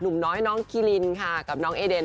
หนุ่มน้อยน้องคิลินค่ะกับน้องเอเดน